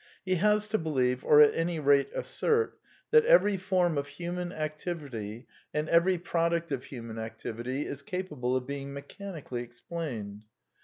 He has to believe or at any rate assert, that every form of human activity and every product of human activity is capable of being mechanically explained.